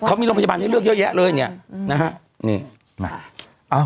เขามีโรงพยาบาลให้เลือกเยอะแยะเลยอย่างนี้นะฮะ